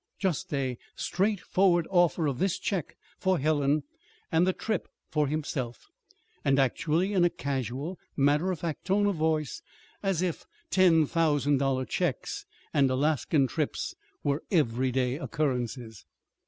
Just a straight forward offer of this check for Helen, and the trip for himself, and actually in a casual, matter of fact tone of voice as if ten thousand dollar checks and Alaskan trips were everyday occurrences.